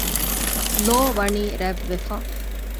ލޯ ވަނީ ރަތް ވެފަ